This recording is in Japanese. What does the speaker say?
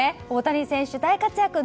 大谷選手、大活躍。